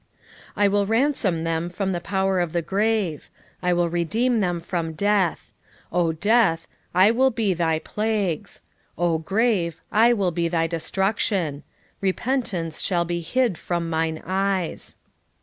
13:14 I will ransom them from the power of the grave; I will redeem them from death: O death, I will be thy plagues; O grave, I will be thy destruction: repentance shall be hid from mine eyes.